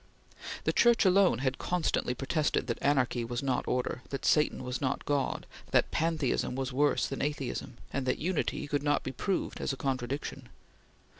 The Church alone had constantly protested that anarchy was not order, that Satan was not God, that pantheism was worse than atheism, and that Unity could not be proved as a contradiction.